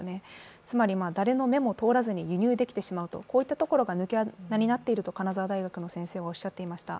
つまり、誰の目も通らずに輸入できてしまうところが抜け穴になっていると金沢大学の先生はおっしゃっていました。